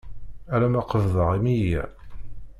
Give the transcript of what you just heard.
Alama qebḍeɣ meyya.